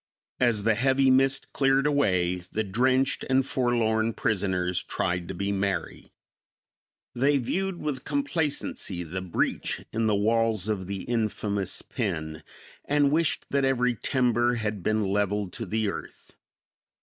As the heavy mist cleared away, the drenched and forlorn prisoners tried to be merry. They viewed with complacency the breach in the walls of the infamous pen and wished that every timber had been leveled to the earth.